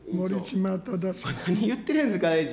何言ってるんですか、大臣。